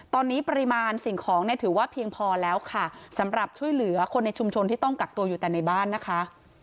ตอนนี้ปริมาณสิ่งของเนี่ยถือว่าเพียงพอแล้วค่ะสำหรับช่วยเหลือคนในชุมชนที่ต้องกักตัวอยู่แต่ในบ้านนะคะ